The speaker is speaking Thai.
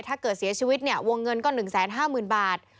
ถ้าเกิดเสียชีวิตวงเงินก็๑๕๐๐๐๐บาท